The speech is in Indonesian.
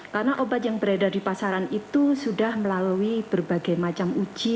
karena obat yang beredar di pasaran itu sudah melalui berbagai macam uji